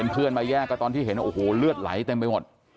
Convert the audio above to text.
เพื่อนมาแยกก็ตอนที่เห็นโอ้โหเลือดไหลเต็มไปหมด